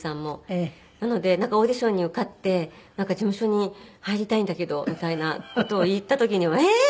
なのでオーディションに受かってなんか事務所に入りたいんだけどみたいな事を言った時にはええー！？